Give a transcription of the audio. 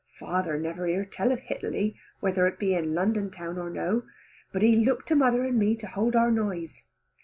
Father never hear tell of Hitaly whether it be in London town or no, but he look to mother and me to hold our noise.